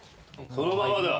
そのままだ。